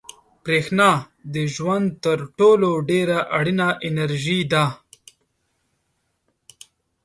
برېښنا د ژوند تر ټولو ډېره اړینه انرژي ده.